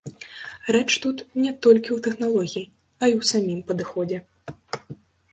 Рэч тут не толькі ў тэхналогіі, а і ў самім падыходзе.